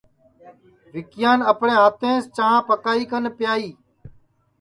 وکیان اپٹؔے ہاتیںٚس چاں پکائی کن پیائی